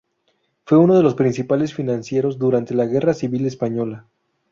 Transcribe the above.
Fue uno de los principales financieros durante la Guerra Civil Española.